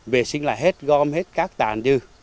vệ sinh lại hết gom hết các tàn chứ